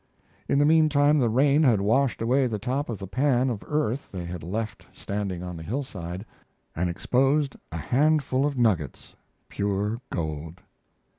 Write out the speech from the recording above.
In the mean time the rain had washed away the top of the pan of earth they had left standing on the hillside, and exposed a handful of nuggets pure gold.